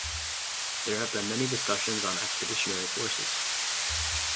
There have been many discussions on expeditionary forces.